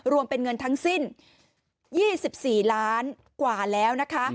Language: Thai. รวมเป็นเงินทั้งสิ้น๒๔ล้านกว่าแล้วนะคะ